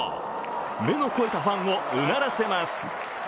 目の肥えたファンをうならせます。